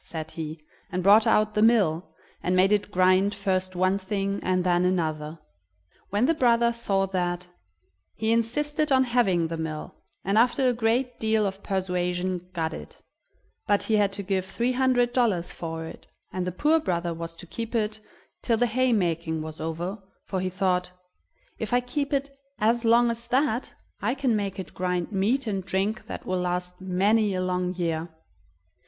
said he, and brought out the mill, and made it grind first one thing and then another. When the brother saw that, he insisted on having the mill, and after a great deal of persuasion got it; but he had to give three hundred dollars for it, and the poor brother was to keep it till the haymaking was over, for he thought: "If I keep it as long as that, I can make it grind meat and drink that will last many a long year."